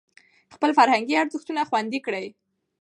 خپل فرهنګي ارزښتونه خوندي کړئ.